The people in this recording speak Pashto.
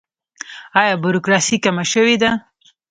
آیا بروکراسي کمه شوې ده؟